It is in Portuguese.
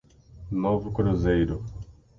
Novo Cruzeiro